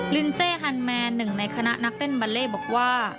ลินเซฮันแมนหนึ่งในคณะนักเต้นบาเล่บอกว่า